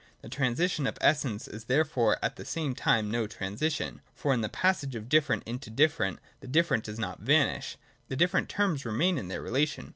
The transition of Essence is therefore at the same time no transition : for in the passage of different into different, the different does not vanish : the different terms remain in their relation.